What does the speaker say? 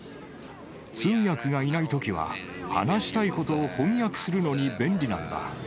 通訳がいないときは話したいことを翻訳するのに便利なんだ。